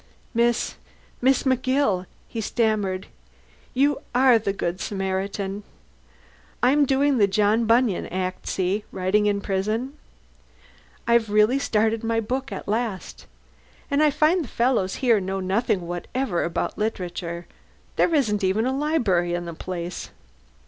"Miss Miss McGill," he stammered. "You are the good Samaritan. I'm doing the John Bunyan act, see? Writing in prison. I've really started my book at last. And I find the fellows here know nothing whatever about literature. There isn't even a library in the place."